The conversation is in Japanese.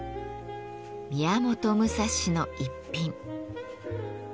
宮本武蔵の逸品。